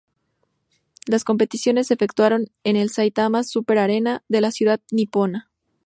Las competiciones se efectuaron en la Saitama Super Arena de la ciudad nipona.